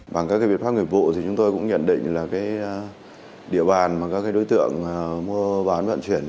bằng các biện pháp nghiệp vụ thì chúng tôi cũng nhận định là địa bàn mà các đối tượng mua bán vận chuyển